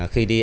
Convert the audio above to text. khi đi anh